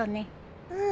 うん。